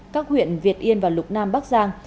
các huyện việt yên và lục nam bắc giang